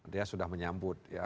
dia sudah menyambut